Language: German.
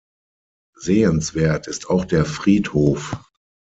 Sehenswert ist auch der Friedhof.